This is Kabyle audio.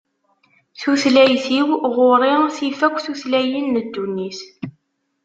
Tutlayt-iw, ɣur-i tif akk tutlayin n ddunit.